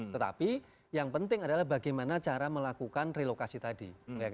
tetapi yang penting adalah bagaimana cara melakukan relokasi tadi